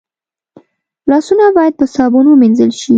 لاسونه باید په صابون ومینځل شي